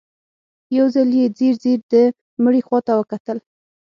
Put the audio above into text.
يو ځل يې ځير ځير د مړي خواته وکتل.